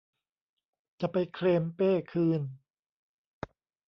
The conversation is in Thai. จะไปเคลมเป้คืน